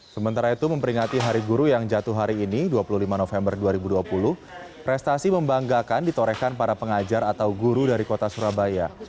sementara itu memperingati hari guru yang jatuh hari ini dua puluh lima november dua ribu dua puluh prestasi membanggakan ditorehkan para pengajar atau guru dari kota surabaya